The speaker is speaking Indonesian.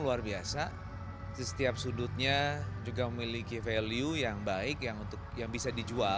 luar biasa di setiap sudutnya juga memiliki value yang baik yang untuk yang bisa dijual dan saya kira